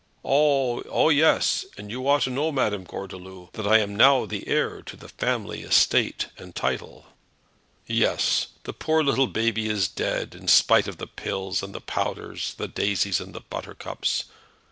"Oh ah yes; and you ought to know, Madame Gordeloup, that I am now the heir to the family estate and title." "Yes; the poor little baby is dead, in spite of the pills and the powders, the daisies and the buttercups!